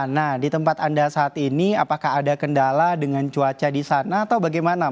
nah di tempat anda saat ini apakah ada kendala dengan cuaca di sana atau bagaimana